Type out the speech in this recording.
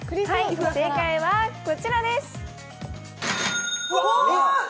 正解はこちらです。